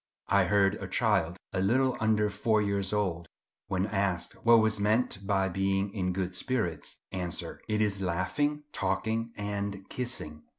I heard a child, a little under four years old, when asked what was meant by being in good spirits, answer, "It is laughing, talking, and kissing."